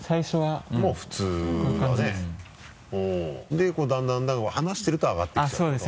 でだんだん話してると上がってきちゃうってこと？